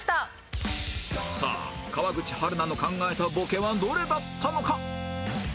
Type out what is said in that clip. さあ川口春奈の考えたボケはどれだったのか？